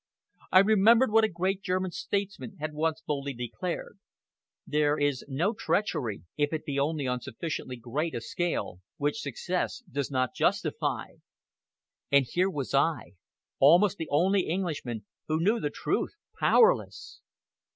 I remembered what a great German statesman had once boldly declared "there is no treachery, if it be only on sufficiently great a scale, which success does not justify." And here was I, almost the only Englishman who knew the truth powerless!